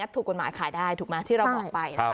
ถูกกฎหมายขายได้ถูกไหมที่เราบอกไป